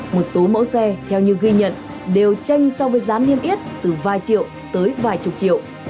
một số mẫu xe theo như ghi nhận đều tranh so với giá niêm yết từ vài triệu tới vài chục triệu